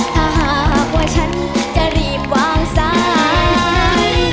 ถ้าหากว่าฉันจะรีบวางซ้าย